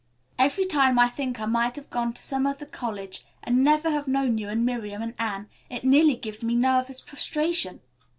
Every time I think that I might have gone to some other college and never have known you and Miriam and Anne, it nearly gives me nervous prostration.